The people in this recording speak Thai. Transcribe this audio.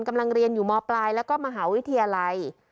กำลังเรียนอยู่มปลายแล้วก็มหาวิทยาลัย